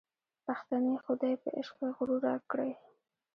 پښتنې خودۍ په عشق کي غرور راکړی